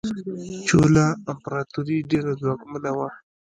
چولا امپراتوري ډیره ځواکمنه وه.